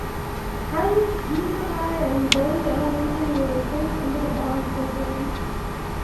Highlands Junior High and Bowie Elementary were replaced under the bond program.